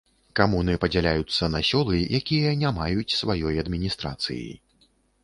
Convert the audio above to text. Камуны падзяляюцца на сёлы, якія не маюць сваёй адміністрацыі.